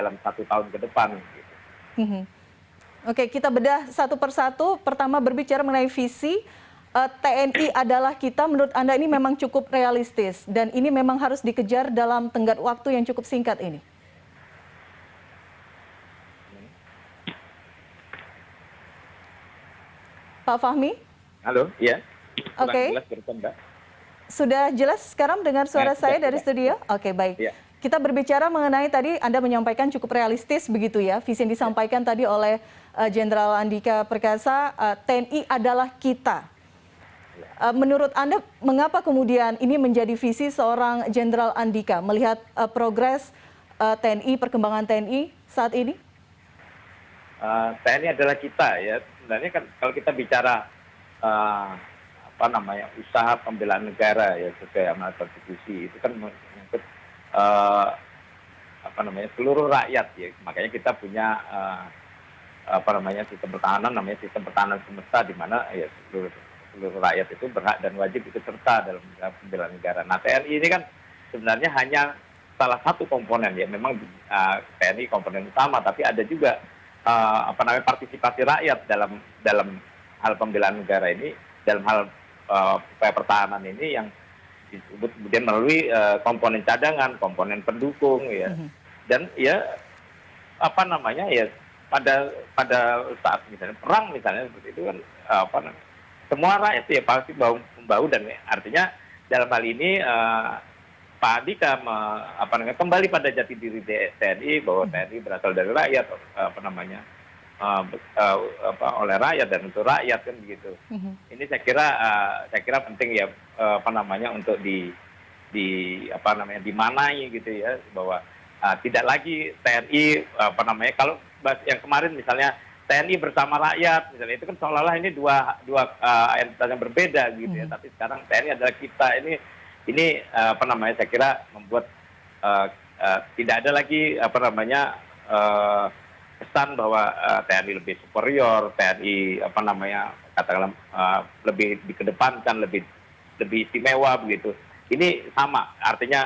lebih dikedepankan lebih istimewa begitu ini sama artinya pak adi juga tadi mengakui adanya keterbatasan selain kelebihan kelebihan gitu ya